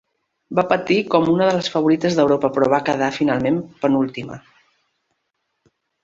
Va partir com una de les favorites d'Europa, però va quedar finalment penúltima.